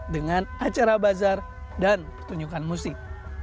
dengan acara bazar dan pertunjukan musik